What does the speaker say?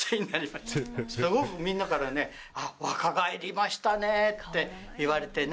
すごくみんなからね、若返りましたねって言われてね。